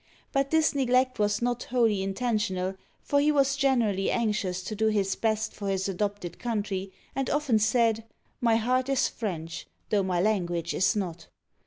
But this neglect was not wholly intentional, for he was generally anxious to do his best for his adopted country, and often said, " My heart is French, though my language is not."